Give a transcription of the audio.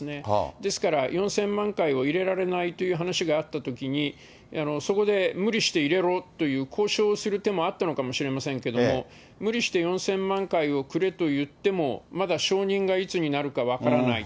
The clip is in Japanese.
ですから、４０００万回を入れられないという話があったときに、そこで無理して入れろという、交渉する手もあったのかもしれませんけれども、無理して４０００万回をくれといっても、まだ承認がいつになるか分からない。